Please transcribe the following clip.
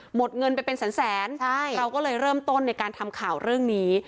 หมดเงินไปเป็นแสนแสนใช่เราก็เลยเริ่มต้นในการทำข่าวเรื่องนี้